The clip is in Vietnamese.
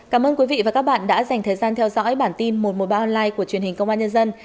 cảm ơn quý vị và các bạn đã dành thời gian theo dõi bản tin một trăm một mươi ba online của truyền hình công an nhân dân